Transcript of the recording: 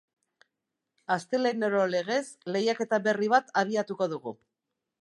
Astelehenero legez, lehiaketa berri bat abiatuko dugu.